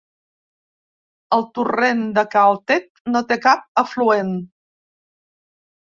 El Torrent de Cal Tet no té cap afluent.